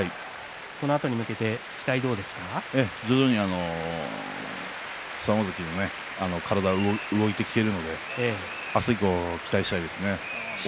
このあとに向けて徐々に３大関の体が動いてきているので明日以降、期待したいですね。